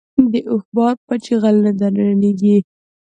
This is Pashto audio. د اوښ بار په چيغل نه درنېږي.